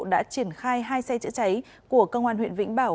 đã triển khai hai xe chữa cháy của công an huyện vĩnh bảo